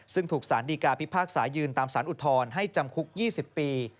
ซึ่งถูกสารดีกาพิพากษายืนตามสารอุทธรณ์ให้จำคุก๒๐ปี